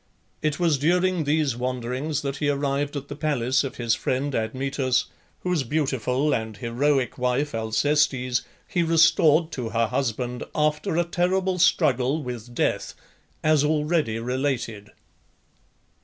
It was during these wanderings that he arrived at the palace of his friend Admetus, whose beautiful and heroic wife (Alcestes) he restored to her husband after a terrible struggle with Death, as already related.